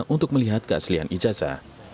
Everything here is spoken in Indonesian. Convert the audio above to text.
untuk melihat keaslian ijasa